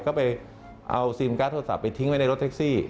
ก็ไปเอาซิมการ์ดโทรศัพไปทิ้งไว้ในรถแท็กซี่